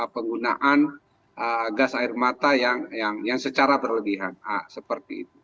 penggunaan gas air mata yang secara berlebihan seperti itu